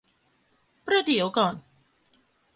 ประเดี๋ยวก่อน